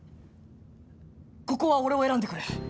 ここは俺を選んでくれ。